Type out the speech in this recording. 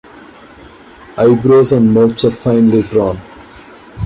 Eyebrows and mouths are finely drawn.